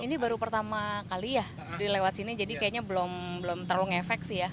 ini baru pertama kali ya lewat sini jadi kayaknya belum terlalu ngefek sih ya